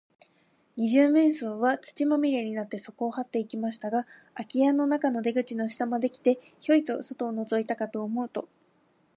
二十面相は、土まみれになって、そこをはっていきましたが、あき家の中の出口の下まで来て、ヒョイと外をのぞいたかと思うと、